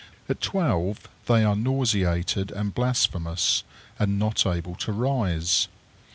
At twelve they are nauseated and blasphemous, and not able to rise.